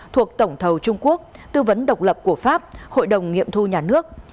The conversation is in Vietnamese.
thuộc tổng thầu trung quốc tư vấn độc lập của pháp hội đồng nghiệm thu nhà nước